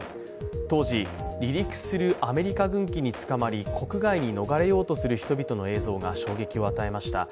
当時離陸するアメリカ軍機に捕まり国外に逃れようとする人々の映像は衝撃を与えました。